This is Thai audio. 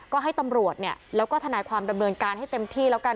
ก็ให้ตำรวจเนี่ยแล้วก็ทนายความดำเนินการให้เต็มที่แล้วกัน